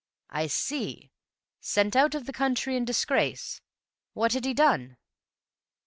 "I see. Sent out of the country in disgrace. What had he done?"